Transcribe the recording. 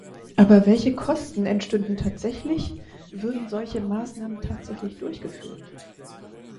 Aber welche Kosten entstünden tatsächlich, würden solche Maßnahmen tatsächlich durchgeführt?